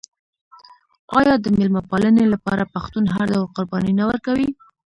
آیا د میلمه پالنې لپاره پښتون هر ډول قرباني نه ورکوي؟